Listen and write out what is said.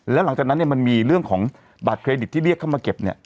แล้วหลังจากนั้นมันมีเรื่องของบัตรเครดิตที่เรียกเข้ามาเก็บ